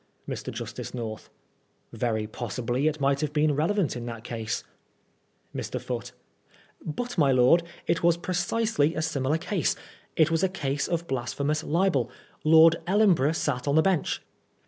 Mr. Justice North : Very possibly it might have been relevant in that cafie. Mr. Foote : But, my lord, it was precisely a similar case — ^it was a case of bla^hemous libeL Lord Ellenborough sat on the bench.